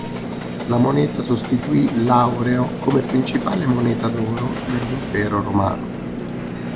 La moneta sostituì l'aureo come principale moneta d'oro dell'Impero Romano.